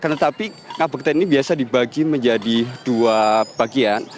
tetapi ngabekten ini biasa dibagi menjadi dua bagian